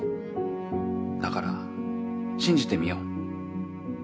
だから信じてみよう。